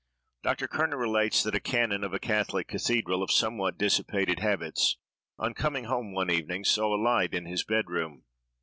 Dr. Kerner relates that a canon of a catholic cathedral, of somewhat dissipated habits, on coming home one evening, saw a light in his bed room.